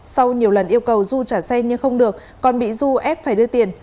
sau nhiều lần yêu cầu du trả xe nhưng không được còn bị du ép phải đưa tiền